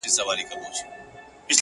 له آسمانه به راتللې بیرته کورته -